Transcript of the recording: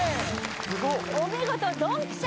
・すごっお見事ドンピシャ！